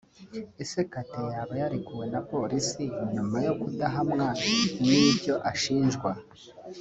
Ese Kate yaba yarekuwe na Polisi nyuma yo kudahamwa n'ibyo ashinjwa